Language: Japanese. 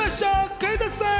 クイズッス！